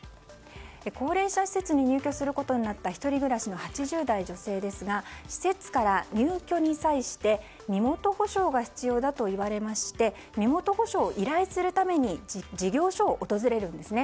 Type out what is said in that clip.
高齢者施設に入居することになった１人暮らしの８０代女性ですが施設から入居に際して身元保証が必要だといわれまして身元保証を依頼するために事業所を訪れるんですね。